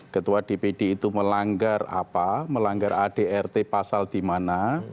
ketua dpd itu melanggar apa melanggar adrt pasal di mana